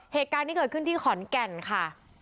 เหตุการณ์นี้เกิดขึ้นที่ขอนแก่นค่ะ